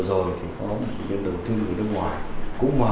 người việt nam thôi nhưng mà vừa rồi thì có một người đầu tiên người nước ngoài